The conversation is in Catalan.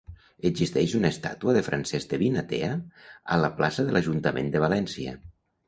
Existeix una estàtua de Francesc de Vinatea a la plaça de l'Ajuntament de València.